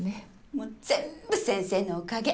もう全部先生のおかげ。